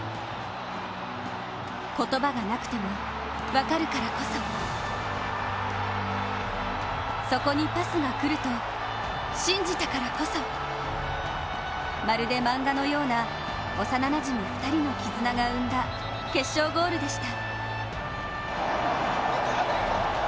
言葉がなくても分かるからこそそこにパスが来ると信じたからこそまるで漫画のような幼なじみ２人の絆が生んだ決勝ゴールでした。